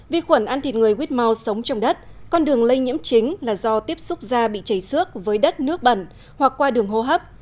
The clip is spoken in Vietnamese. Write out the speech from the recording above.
vi khuẩn ăn thịt người whmore sống trong đất con đường lây nhiễm chính là do tiếp xúc da bị chảy xước với đất nước bẩn hoặc qua đường hô hấp